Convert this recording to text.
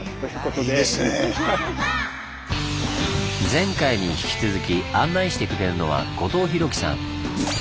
前回に引き続き案内してくれるのは後藤宏樹さん。